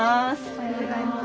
おはようございます。